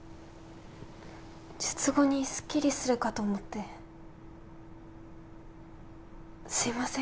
術後にスッキリするかと思ってすいません